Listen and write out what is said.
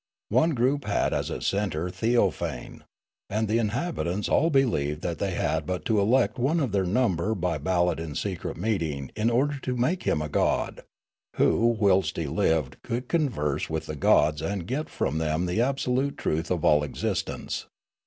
One group had as its centre Theophane, and the inhabitants all believed that the}' had but to elect one of their number by bal lot in seciet meeting in order to make him a god, who whilst he lived could converse with the gods and get from them the absolute truth of all existence.